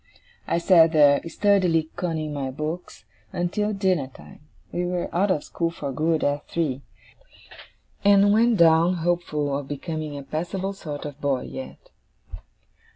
I sat there, sturdily conning my books, until dinner time (we were out of school for good at three); and went down, hopeful of becoming a passable sort of boy yet.